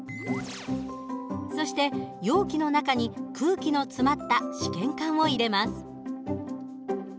そして容器の中に空気のつまった試験管を入れます。